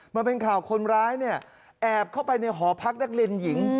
มันเป็นข่าวคนร้ายเนี่ยแอบเข้าไปในหอพักนักเรียนหญิง